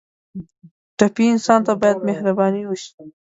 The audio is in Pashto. ټپي انسان ته باید مهرباني وشي.